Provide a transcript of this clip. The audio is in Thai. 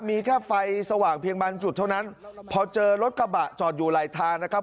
มีแค่ไฟสว่างเพียงบางจุดเท่านั้นพอเจอรถกระบะจอดอยู่หลายทางนะครับ